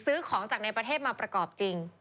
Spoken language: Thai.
ซื้อของจากในประเทศมาประกอบจริง